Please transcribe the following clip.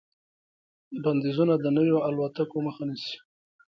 بندیزونه د نویو الوتکو مخه نیسي.